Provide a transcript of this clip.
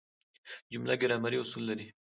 جمله ګرامري اصول لري.